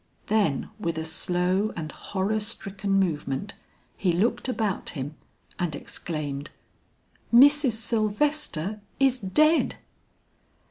Then with a slow and horror stricken movement, he looked about him and exclaimed, "Mrs. Sylvester is dead."